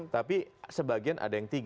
tapi sebagian ada yang tiga